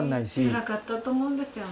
つらかったと思うんですよね。